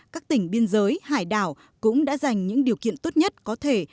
các tỉnh biên giới hải đảo cũng đã dành những điều kiện tốt nhất có thể